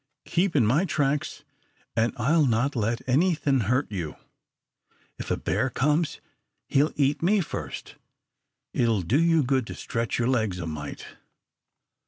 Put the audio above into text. Keep in my tracks an' I'll not let anythin' hurt you. If a bear comes, he'll eat me first. It'll do you good to stretch your legs a mite."